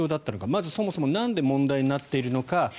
まず、そもそもなんで問題になっているのか。